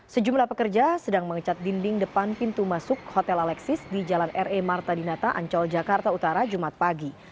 sejumlah pekerja sedang mengecat dinding depan pintu masuk hotel alexis di jalan re marta dinata ancol jakarta utara jumat pagi